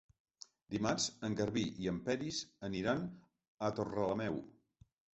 Dimarts en Garbí i en Peris aniran a Torrelameu.